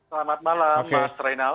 selamat malam mas reynal